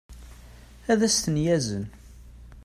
ad as-ten-yazen